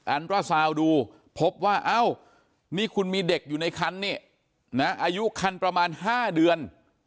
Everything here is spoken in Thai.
อันตราซาวดูพบว่าเอ้านี่คุณมีเด็กอยู่ในคันนี่นะอายุคันประมาณ๕เดือน